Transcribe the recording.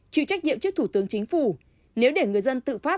chịu trách nhiệm trước thủ tướng chính phủ nếu để người dân tự phát